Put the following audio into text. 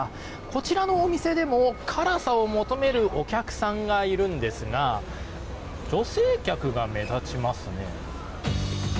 こちらのお店でも辛さを求めるお客さんがいるんですが女性客が目立ちますね。